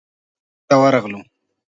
لیدلو ته ورغلو.